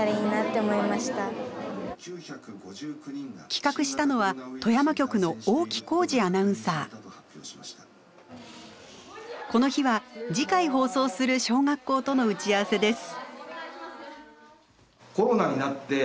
企画したのはこの日は次回放送する小学校との打ち合わせです。